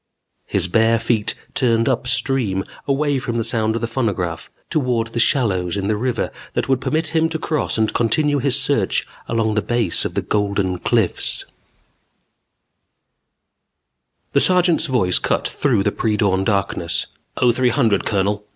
His bare feet turned up stream, away from the sound of the phonograph, toward the shallows in the river that would permit him to cross and continue his search along the base of the Golden Cliffs _The sergeant's voice cut through the pre dawn darkness. "Oh, three hundred, Colonel....